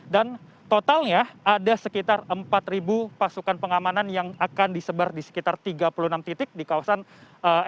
dan totalnya ada sekitar empat pasukan pengamanan yang akan disebar di sekitar tiga puluh enam titik di kawasan ekonomi